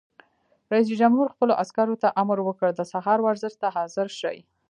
رئیس جمهور خپلو عسکرو ته امر وکړ؛ د سهار ورزش ته حاضر شئ!